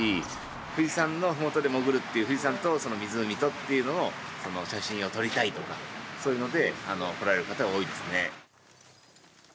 富士山の麓で潜るっていう富士山と湖とっていうのを写真を撮りたいとかそういうので来られる方が多いですね。